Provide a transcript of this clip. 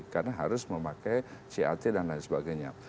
karena harus memakai crt dan lain sebagainya